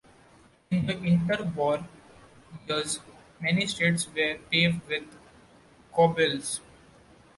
In the interwar years many streets were paved with cobbles.